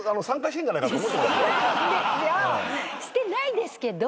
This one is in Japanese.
してないですけど。